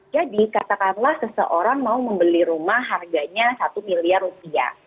jadi katakanlah seseorang mau membeli rumah harganya satu miliar rupiah